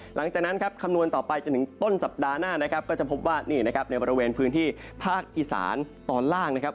หลังจากนั้นครับคำนวณต่อไปจนถึงต้นสัปดาห์หน้านะครับก็จะพบว่านี่นะครับในบริเวณพื้นที่ภาคอีสานตอนล่างนะครับ